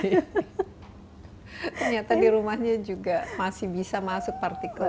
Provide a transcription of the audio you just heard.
ternyata di rumahnya juga masih bisa masuk partikel